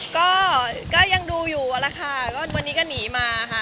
ก็ยังดูอยู่แหละค่ะก็วันนี้ก็หนีมาค่ะ